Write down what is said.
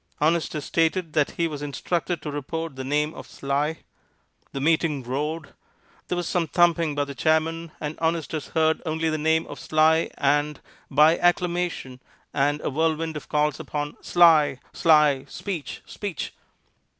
Honestus stated that he was instructed to report the name of Sly. The meeting roared. There was some thumping by the chairman, and Honestus heard only the name of Sly and "by acclamation," and a whirlwind of calls upon "Sly!" "Sly!" "Speech!" "Speech!"